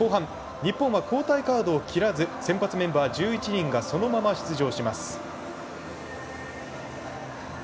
日本は交代カードを切らず先発メンバー１１人がそのまま出場します。